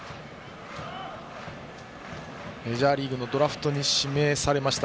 メジャーリーグのドラフトに指名されました。